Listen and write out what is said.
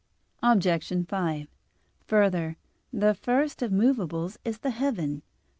Obj. 5: Further, the first of movables is the heaven.